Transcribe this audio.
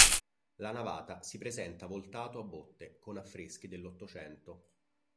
La navata si presenta voltato a botte, con affreschi dell'Ottocento.